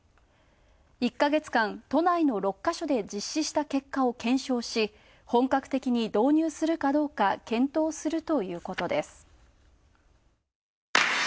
１か月間、都内の６か所で実施した結果を検証し本格的に導入するかどうか検討するということです。